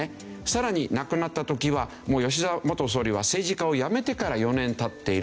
さらに亡くなった時は吉田元総理は政治家を辞めてから４年経っているわけです。